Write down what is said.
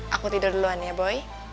aku tidur duluan ya boy